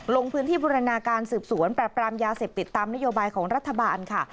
ลงพื้นที่บูรณาการสืบสวนปรับปรามยาเสพติดตามนโยบายของรัฐบาลค่ะ